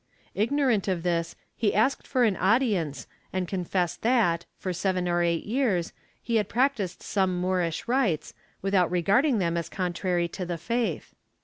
Ignorant of this, he asked for an audience and confessed that, for seven or eight years, he had practised some Moorish rites, without regard ing them as contrary to the faith.